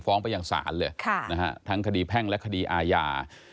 ฟ้องไปอย่างสารเลยค่ะนะฮะทั้งคดีแพ่งและคดีอาญา